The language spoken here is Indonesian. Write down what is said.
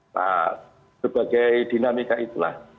nah sebagai dinamika itulah